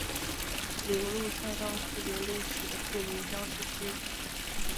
铃鹿赛道是铃鹿市的著名标志之一。